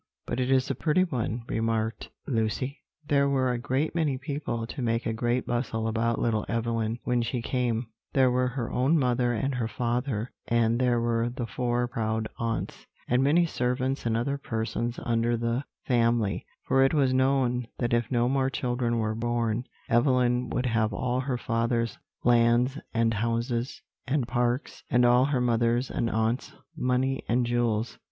"But it is a pretty one," remarked Lucy. "There were a great many people to make a great bustle about little Evelyn, when she came: there were her own mother and her father, and there were the four proud aunts, and many servants and other persons under the family, for it was known that if no more children were born, Evelyn would have all her father's lands, and houses, and parks, and all her mother's and aunts' money and jewels.